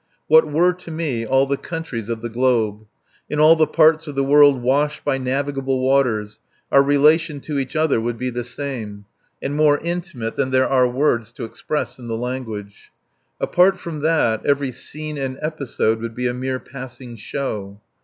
What were to me all the countries of the globe? In all the parts of the world washed by navigable waters our relation to each other would be the same and more intimate than there are words to express in the language. Apart from that, every scene and episode would be a mere passing show.